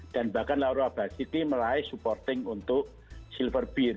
dan bahkan laura basiti meraih supporting untuk silverbeard